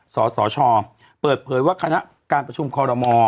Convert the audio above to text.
สสชเปิดเผยว่าคณะการประชุมคอรมอ